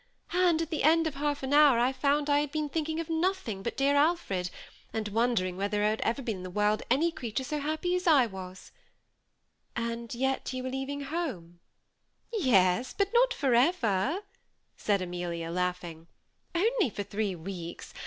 And at the end of half an hour I found I had been thinking of nothing but dear Alfred, and wondering whether there ever had been in the world any creature as happy as I was "" And yet you were leaving home I "" Yes, but not forever," said Amelia, laughing ;" only for three weeks.